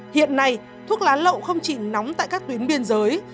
hiện nay thuốc lá lậu không chỉ nóng tại các tuyến biên giới